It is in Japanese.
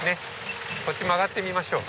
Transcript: こっち曲がってみましょう。